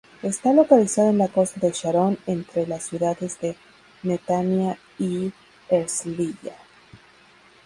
Está localizado en la costa de Sharón entre las ciudades de Netanya y Herzliya.